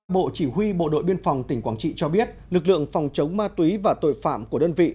bộ chỉ huy bộ đội biên phòng tỉnh quảng trị cho biết lực lượng phòng chống ma túy và tội phạm của đơn vị